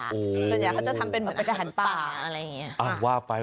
ส่วนใหญ่เขาจะทำเป็นอาหารป่า